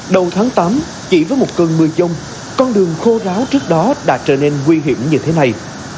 đầu tháng tám chỉ với một cơn mưa dông con đường khô ráo trước đó đã trở nên nguy hiểm như thế này